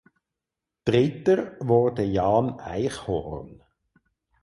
Dritter wurde Jan Eichhorn.